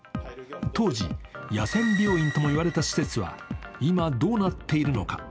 当時、野戦病院とも言われた施設は今どうなっているのか。